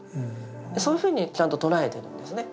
そういうふうにちゃんと捉えてるんですね。